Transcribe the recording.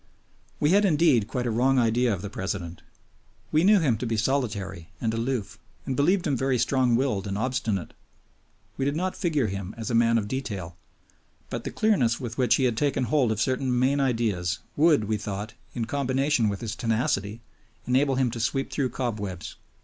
We had indeed quite a wrong idea of the President. We knew him to be solitary and aloof, and believed him very strong willed and obstinate. We did not figure him as a man of detail, but the clearness with which he had taken hold of certain main ideas would, we thought, in combination with his tenacity, enable him to sweep through cobwebs.